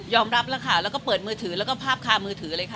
รับแล้วค่ะแล้วก็เปิดมือถือแล้วก็ภาพคามือถือเลยค่ะ